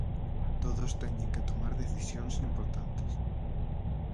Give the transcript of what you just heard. Todos teñen que tomar decisións importantes.